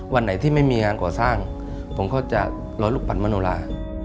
วันไหนที่ไม่มีงานก่อสร้างผมก็จะรอลูกปั่นมโนลา